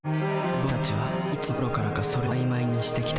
僕たちはいつのころからか「それ」を曖昧にしてきた。